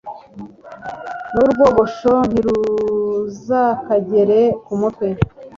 n'urwogosho ntiruzakagere ku mutwe